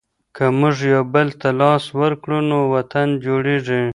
که موږ یوبل ته لاس ورکړو نو وطن جوړېږي.